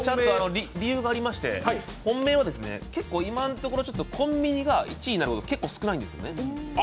理由がありまして、本命は今のところコンビニが１位になること少ないんです。